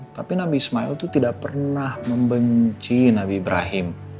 tapi nabi ismail itu tidak pernah membenci nabi ibrahim